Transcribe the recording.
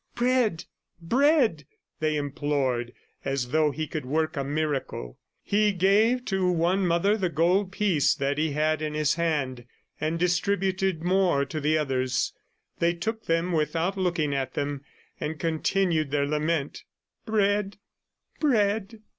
"Bread! ... bread!" they implored, as though he could work a miracle. He gave to one mother the gold piece that he had in his hand and distributed more to the others. They took them without looking at them, and continued their lament, "Bread! ... Bread!"